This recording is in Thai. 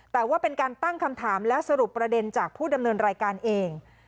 แต่ว่าเป็นการตั้งคำถามและสรุปประเด็นจากผู้ดำเนินรายการเอง